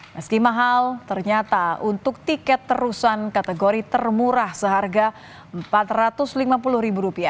meski mahal ternyata untuk tiket terusan kategori termurah seharga rp empat ratus lima puluh